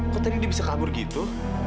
kok tadi dia bisa kabur gitu